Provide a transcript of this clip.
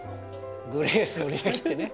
「グレースの履歴」ってね。